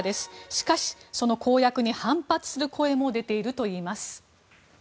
しかし、その公約に反発する声も出ているといいます。